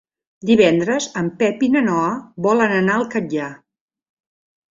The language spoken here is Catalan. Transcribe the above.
Divendres en Pep i na Noa volen anar al Catllar.